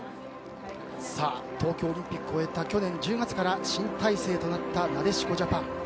東京オリンピックを終えた去年１０月から新体制となったなでしこジャパン。